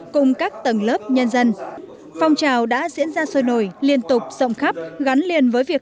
cùng các tầng lớp nhân dân phong trào đã diễn ra sôi nổi liên tục rộng khắp gắn liền với việc